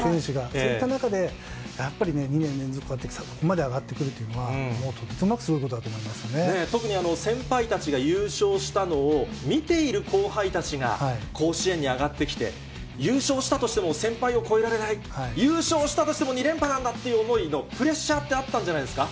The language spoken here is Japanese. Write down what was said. そういった中で、やっぱりね、２年連続でここまで上がってくるというのは、もうとてつもなくす特に先輩たちが優勝したのを見ている後輩たちが、甲子園に上がってきて、優勝したとしても、先輩を超えられない、優勝したとしても、２連覇なんだっていう、思いのプレッシャーってあったんじゃないですか？